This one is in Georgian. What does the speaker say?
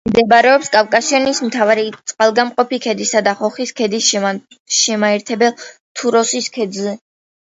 მდებარეობს კავკასიონის მთავარი წყალგამყოფი ქედისა და ხოხის ქედის შემაერთებელ თრუსოს ქედზე.